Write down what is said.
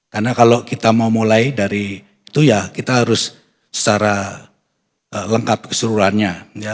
karena kalau kita mau mulai dari itu ya kita harus secara lengkap keseluruhannya